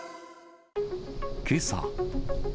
けさ。